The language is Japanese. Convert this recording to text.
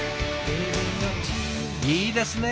いいですね！